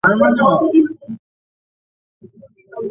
Tom বস্টনের কাছে একটা ছোট শহরে থাকে।